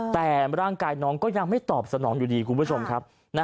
แต่ร่างกายน้องก็ยังไม่ตอบสนองอยู่ดีคุณผู้ชมครับ